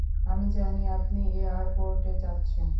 আমি জানি আপনি এয়ারপোর্টে যাচ্ছেন।